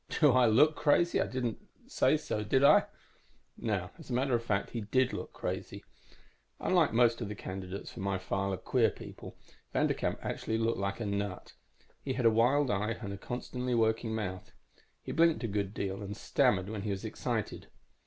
"'Do I look crazy? I said so, didn't I?' "Now, as a matter of fact, he did look crazy. Unlike most of the candidates for my file of queer people, Vanderkamp actually looked like a nut. He had a wild eye and a constantly working mouth; he blinked a good deal and stammered when he was excited.